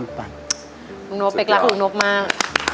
ลูกนกเป็นคนรักลูกนกมาก